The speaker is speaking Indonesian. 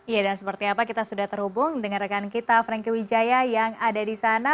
ya dan seperti apa kita sudah terhubung dengan rekan kita franky wijaya yang ada di sana